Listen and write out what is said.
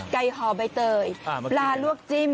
ไก่หอบใบเตยปลารวกจิ้ม